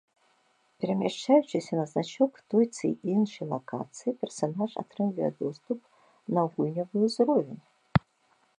Перамяшчаючыся на значок той ці іншай лакацыі персанаж атрымлівае доступ на гульнявы ўзровень.